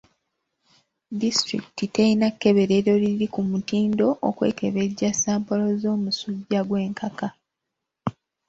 Disitulikiti teyina kkeberero liri ku mutindo okwekebejja sampolo z'omusujja gw'enkaka.